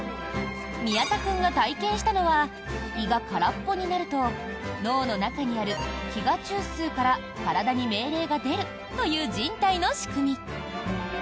宮田君が体験したのは胃が空っぽになると脳の中にある飢餓中枢から体に命令が出るという人体の仕組み。